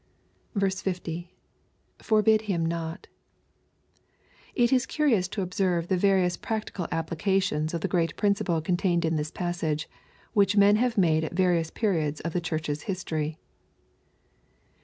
60. — [Forbid hvm iwt] It is curious to observe the various practical applications of the great principle contained in this passage, which men have made at various penods of the Church's history.